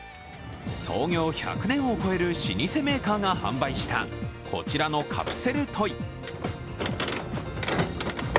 創業１００年を超える老舗メーカーが販売したこちらのカプセルトイ。